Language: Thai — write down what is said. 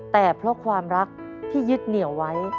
แต่เพราะความรักที่ยึดเหนียวไว้